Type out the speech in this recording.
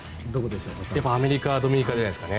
やっぱりアメリカ、ドミニカくらいじゃないですかね。